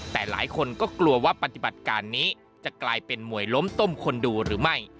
แต่หลายคนก็กลัวว่าปฏิบัติการนี้จะกลายเป็นมวยล้มต้มคนดูหรือไม่